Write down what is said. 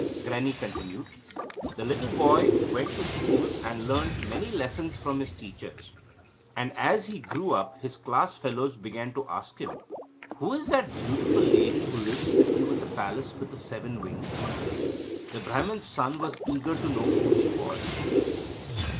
Grannie continued: The little boy went to school and learnt many lessons from his teachers, and as he grew up his class fellows began to ask him: "Who is that beautiful lady who lives with you in the palace with the seven wings?" The Brahman's son was eager to know who she was.